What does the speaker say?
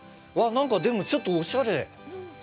わあ、なんかでも、ちょっとおしゃれ。